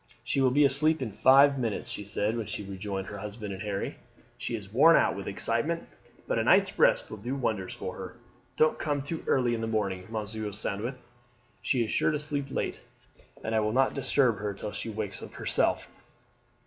"She will be asleep in five minutes," she said when she rejoined her husband and Harry. "She is worn out with excitement, but a night's rest will do wonders for her. Don't come too early in the morning, Monsieur Sandwith; she is sure to sleep late, and I would not disturb her till she wakes of herself."